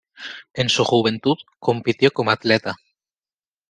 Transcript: En su juventud compitió como atleta.